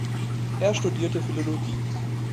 Er studierte Philologie.